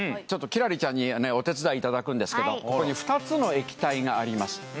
ちょっと輝星ちゃんにお手伝いいただくんですけどここに２つの液体があります。